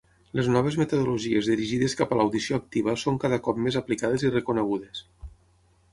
Les noves metodologies dirigides cap a l'audició activa són cada cop més aplicades i reconegudes.